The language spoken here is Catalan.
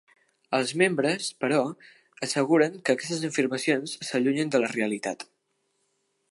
Els membres, però, asseguren que aquestes afirmacions s'allunyen de la realitat.